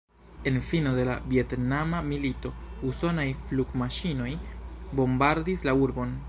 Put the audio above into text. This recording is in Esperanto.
En fino de la Vjetnama milito usonaj flugmaŝinoj bombardis la urbon.